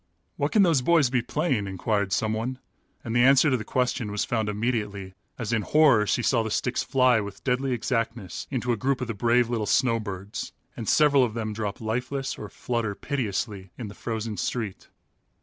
"What can those boys be playing?" inquired someone, and the answer to the question was found immediately as in horror she saw the sticks fly with deadly exactness into a group of the brave little snowbirds, and several of them drop lifeless or flutter piteously in the frozen street.